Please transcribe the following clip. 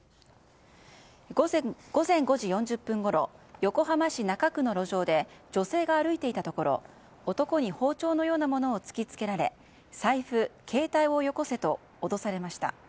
午前５時４０分ごろ横浜市中区の路上で女性が歩いていたところ男に包丁のようなものを突き付けられ財布、携帯をよこせと脅されました。